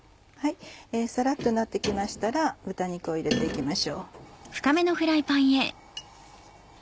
サラっとなって来ましたら豚肉を入れて行きましょう。